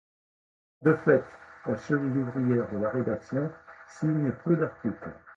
De fait la cheville ouvrière de la rédaction signe peu d'articles.